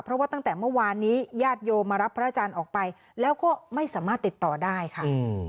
เพราะว่าตั้งแต่เมื่อวานนี้ญาติโยมมารับพระอาจารย์ออกไปแล้วก็ไม่สามารถติดต่อได้ค่ะ